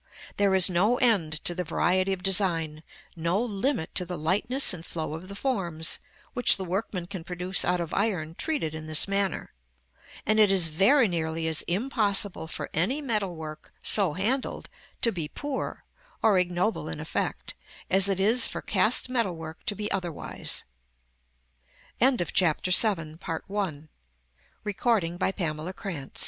There is no end to the variety of design, no limit to the lightness and flow of the forms, which the workman can produce out of iron treated in this manner; and it is very nearly as impossible for any metal work, so handled, to be poor, or ignoble in effect, as it is for cast metal work to be otherwise. § XXIII. We have next to examine those fea